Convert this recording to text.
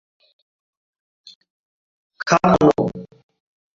খাট আনো!